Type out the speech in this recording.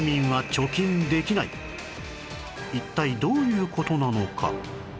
一体どういう事なのか？